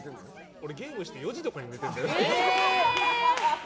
俺、ゲームして４時とかに寝てるんだよね。